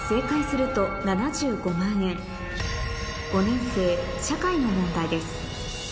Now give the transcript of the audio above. ５年生社会の問題です